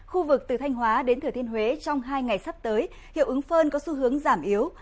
khu vực từ thanh hóa đến thừa thiên huế trong hai ngày sắp tới hiệu ứng phơn có xu hướng giảm yếu